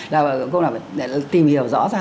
là công đoàn tìm hiểu rõ ra